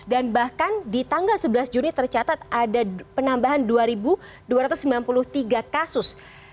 dan bahkan di tanggal sebelas juni tercatat ada penambahan dua dua ratus sembilan puluh tiga kasus